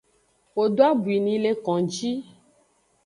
Wo do abwi ni le konji.